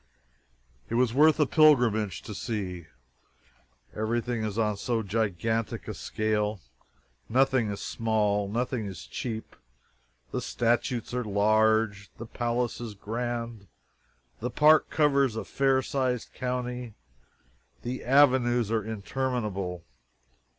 It was worth a pilgrimage to see. Everything is on so gigantic a scale. Nothing is small nothing is cheap. The statues are all large; the palace is grand; the park covers a fair sized county; the avenues are interminable.